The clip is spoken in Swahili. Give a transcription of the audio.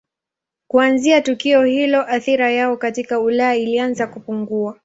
Kuanzia tukio hilo athira yao katika Ulaya ilianza kupungua.